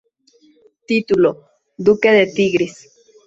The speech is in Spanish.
Título: Duque de Tigris.